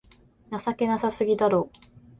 情けなさすぎだろ